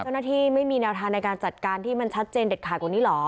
ไม่มีแนวทางในการจัดการที่มันชัดเจนเด็ดขาดกว่านี้เหรอ